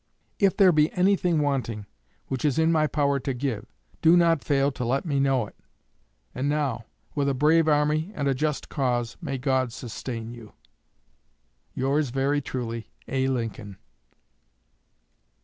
If there be anything wanting which is in my power to give, do not fail to let me know it. And now, with a brave army and a just cause, may God sustain you. Yours very truly, A. LINCOLN.